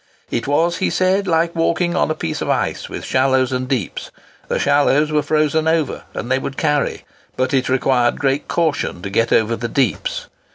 It was, he said, like walking upon a piece of ice with shallows and deeps; the shallows were frozen over, and they would carry, but it required great caution to get over the deeps.